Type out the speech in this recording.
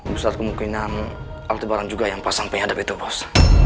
bisa kemungkinan aldebaran juga yang pasang penyadap itu bos